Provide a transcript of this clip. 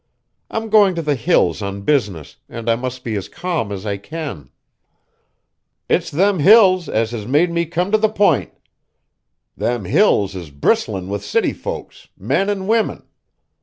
I'm going to the Hills on business, and I must be as calm as I can!" "It's them Hills, as has made me come t' the p'int. Them Hills is bristlin' with city folks, men an' women!